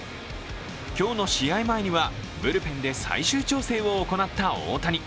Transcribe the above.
今日の試合前にはブルペンで最終調整を行った大谷。